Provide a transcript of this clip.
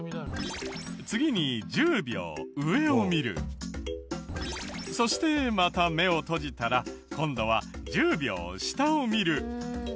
次にそしてまた目を閉じたら今度は１０秒下を見る。